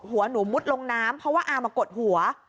หัวหนูมุดลงน้ำเพราะว่าอามากดหัว